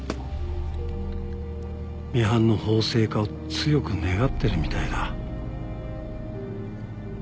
ミハンの法制化を強く願ってるみたいだ。